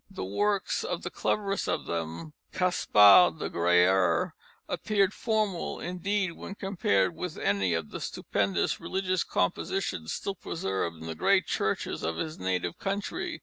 The works of the cleverest of them, Caspar de Grayer, appear formal, indeed, when compared with any of the stupendous religious compositions still preserved in the great churches of his native country.